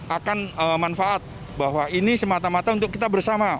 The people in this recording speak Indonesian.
akan manfaat bahwa ini semata mata untuk kita bersama